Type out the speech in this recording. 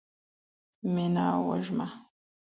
میناوږمه